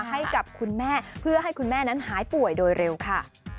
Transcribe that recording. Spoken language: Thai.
ให้กับคุณแม่เพื่อให้คุณแม่นั้นหายป่วยโดยเร็วค่ะ